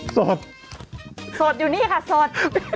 สดสดอยู่นี่ค่ะสด